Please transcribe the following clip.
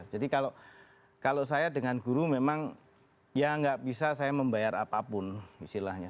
jadi kalau saya dengan guru memang ya gak bisa saya membayar apapun istilahnya